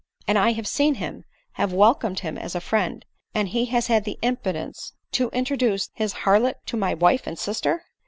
" And I have seen him, have welcomed him as a friend, and he has had the impudence to introduce his harlot to my wife and sister!"